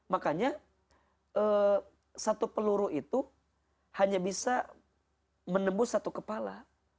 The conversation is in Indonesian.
makanya satu peluru itu hanya bisa menembus satu kepala